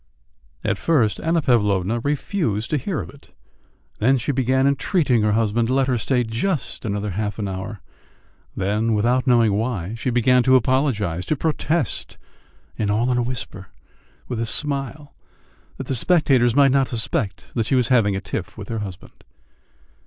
At first Anna Pavlovna refused to hear of it, then she began entreating her husband to let her stay just another half hour; then, without knowing why, she began to apologise, to protest and all in a whisper, with a smile, that the spectators might not suspect that she was having a tiff with her husband.